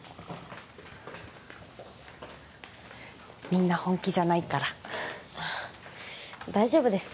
みんな本気じゃないからあ大丈夫です